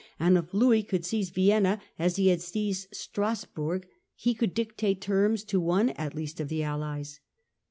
121 and, if Louis could seize Vienna as he had seized Stras bourg, he could dictate terms to one at least of the Allies.